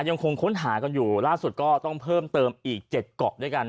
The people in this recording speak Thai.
ยังคงค้นหากันอยู่ล่าสุดก็ต้องเพิ่มเติมอีก๗เกาะด้วยกัน